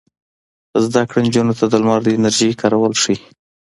زده کړه نجونو ته د لمر د انرژۍ کارول ښيي.